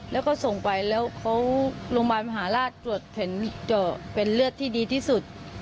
แล้วก็ส่งไปแล้วเขาโรงพยาบาลมหาราชตรวจเห็นเจาะเป็นเลือดที่ดีที่สุด